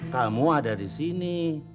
kamu ada di sini